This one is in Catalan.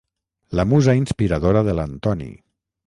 La musa inspiradora de l'Antoni.